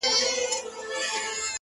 د حوصلې راته غوښتنه كوي;